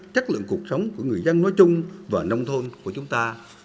chất lượng cuộc sống của người dân nói chung và nông thôn của chúng ta